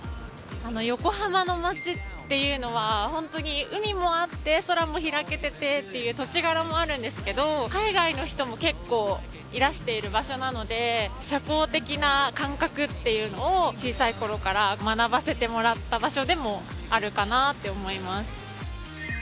あの横浜の街っていうのはホントに海もあって空も開けててっていう土地柄もあるんですけど海外の人も結構いらしている場所なので社交的な感覚っていうのを小さいころから学ばせてもらった場所でもあるかなって思います。